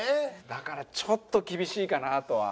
だからちょっと厳しいかなとは。